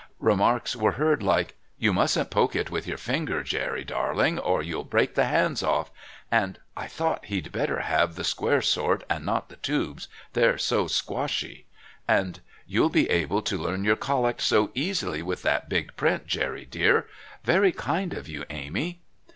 Remarks were heard like: "You mustn't poke it with, your finger, Jerry darling, or you'll break the hands off"; and "I thought he'd, better have the square sort, and not the tubes. They're so squashy"; and "You'll be able to learn your Collect so easily with that big print, Jerry dear. Very kind of you, Amy."